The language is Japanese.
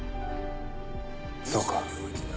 そうか。